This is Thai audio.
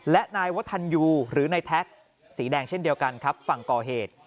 และนายวัฒนยูหรือนายแท็กสีแดงเช่นเดียวกันครับฝั่งก่อเหตุ